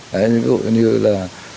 đấy ví dụ như là